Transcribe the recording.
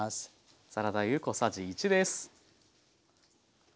サラダ油小さじ１です。